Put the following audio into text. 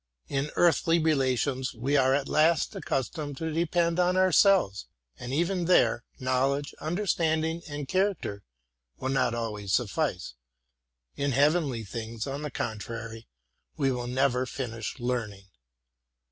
In earthly relations we are at last accustomed to depend on ourselves ; and, even there, knowledge, understanding, and character will not always suffice: in heavenly things, on the contrary, we have never finished learning.